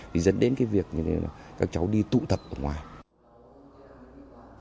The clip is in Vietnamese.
thì dẫn đến cái việc là các cháu đi tụ tập ở ngoài